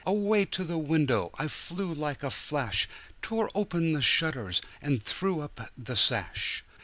Away to the window I flew like a flash, Tore open the shutters and threw up the sash.